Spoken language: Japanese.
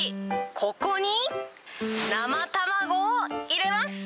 ここに生卵を入れます。